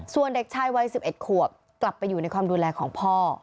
ส่วนเด็กชายวัย๑๑ขวบกลับไปอยู่ในความดูแลของพ่อ